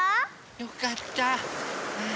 よかった。